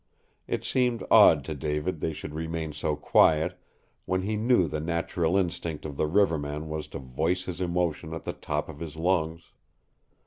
It seemed odd to David they should remain so quiet, when he knew the natural instinct of the riverman was to voice his emotion at the top of his lungs.